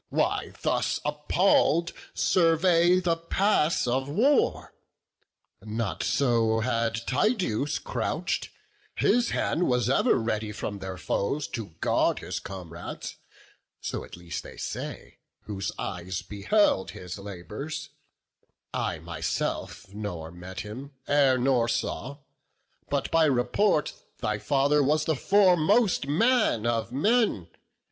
why thus appall'd survey The pass of war? not so had Tydeus crouch'd; His hand was ever ready from their foes To guard his comrades; so, at least, they say Whose eyes beheld his labours; I myself Nor met him e'er, nor saw; but, by report, Thy father was the foremost man of men.